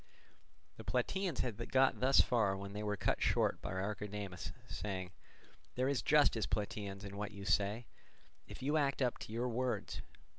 The Plataeans had got thus far when they were cut short by Archidamus saying: "There is justice, Plataeans, in what you say, if you act up to your words.